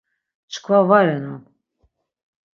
Çkva va renan.